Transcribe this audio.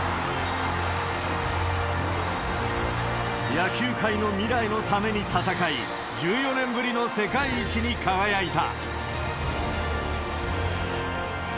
野球界の未来のために戦い、１４年ぶりの世界一に輝いた。